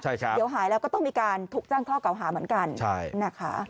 เดี๋ยวหายแล้วก็ต้องมีการถูกแจ้งข้อเก่าหาเหมือนกันใช่นะคะ